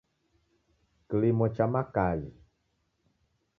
Kilimo cha makajhi